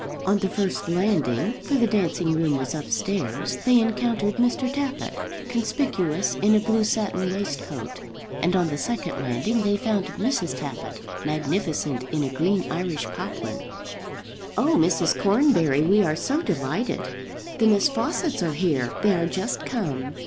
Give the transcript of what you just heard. On the first landing, for the dancing room was upstairs, they encountered Mr. Tappitt, conspicuous in a blue satin waistcoat; and on the second landing they found Mrs. Tappitt, magnificent in a green Irish poplin. "Oh, Mrs. Cornbury, we are so delighted. The Miss Fawcetts are here; they are just come.